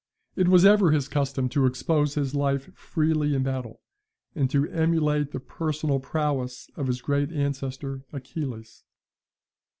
It was ever his custom to expose his life freely in battle, and to emulate the personal prowess of his great ancestor, Achilles.